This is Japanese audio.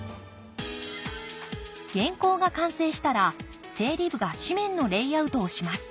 原稿が完成したら整理部が紙面のレイアウトをします。